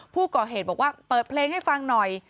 ผู้ก่อเหตุบอกว่าเปิดเพลงให้ฟังหน่อย